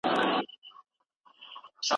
دا موضوع په رښتیا هم ډېر علمي ارزښت لري.